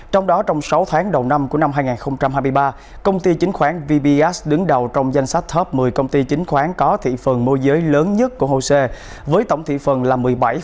trong đó trong sáu tháng đầu năm của năm hai nghìn hai mươi ba công ty chính khoán vps đứng đầu trong danh sách top một mươi công ty chính khoán có thị phần mua giới lớn nhất của hồ sê với tổng thị phần là một mươi bảy sáu mươi năm